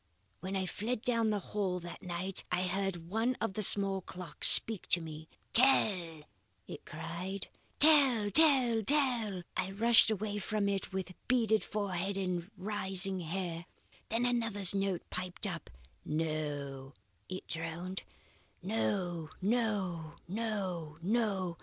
"When I fled down the hall that night, I heard one of the small clocks speak to me. Tell! it cried, tell! tell! tell! tell! I rushed away from it with beaded forehead and rising hair. "Then another's note piped up. No it droned. No! no! no! no!